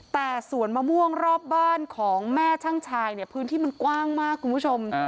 แต่สวนมะม่วงรอบบ้านของแม่ช่างชายเนี่ยพื้นที่มันกว้างมากคุณผู้ชม